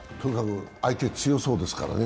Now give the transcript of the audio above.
相手強そうですからね。